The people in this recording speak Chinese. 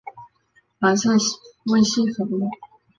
白色微细粉末。